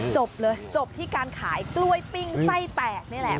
จบเลยจบที่การขายกล้วยปิ้งไส้แตกนี่แหละ